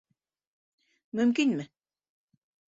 Мөмкинме?